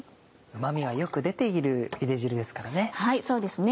うま味がよく出ているゆで汁ですからね。